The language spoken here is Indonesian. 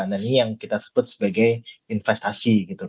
nah ini yang kita sebut sebagai investasi gitu